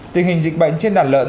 tình hình dịch bệnh trên đàn lợn